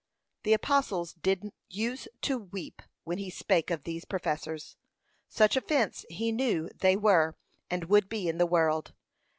The apostle did use to weep when he spake of these professors, such offence he knew they were and would be in the world.